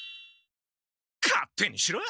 勝手にしろ。